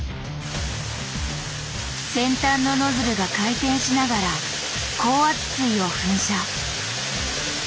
先端のノズルが回転しながら高圧水を噴射。